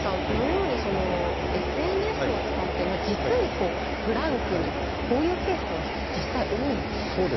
このようにＳＮＳを使って実にフランクにこういうケースは実際多いんですか？